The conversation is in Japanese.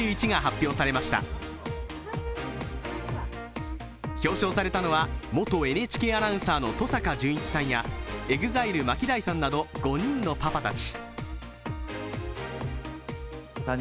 表彰されたのは、元ＮＨＫアナウンサーの登坂淳一さんやＥＸＩＬＥ・ＭＡＫＩＤＡＩさんなど５人のパパたち。